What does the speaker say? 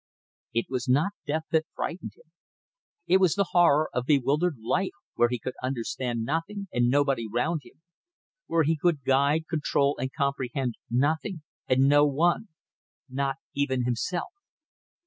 It was not death that frightened him: it was the horror of bewildered life where he could understand nothing and nobody round him; where he could guide, control, comprehend nothing and no one not even himself.